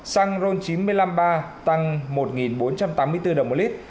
xăng ron chín mươi năm a tăng một bốn trăm tám mươi bốn đồng một lít